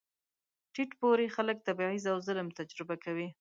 ټیټ پوړي خلک تبعیض او ظلم تجربه کړل.